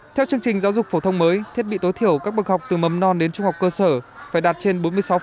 theo chương trình giáo dục phổ thông mới thiết bị tối thiểu các bậc học từ mầm non đến trung học cơ sở phải đạt trên bốn mươi sáu